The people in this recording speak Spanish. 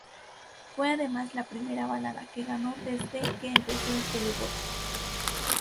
Fue además la primera balada que ganó desde que empezó el televoto.